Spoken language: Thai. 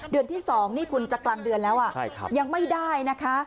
ที่๒นี่คุณจะกลางเดือนแล้วยังไม่ได้นะคะ